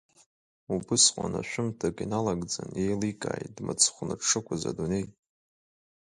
Убысҟан ашәымҭак иналагӡан, еиликааит дмыцхәны дшықәыз адунеи.